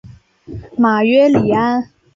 马约里安。